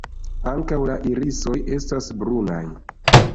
Ankaŭ la irisoj estas brunaj.